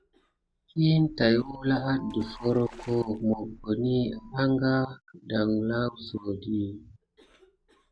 Kine tate wulane adef horko mokoni aka gudanla wusodi.